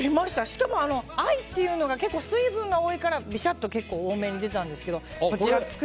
しかもアイというのが水分が多いからビシャッと結構多めに出たんですけど。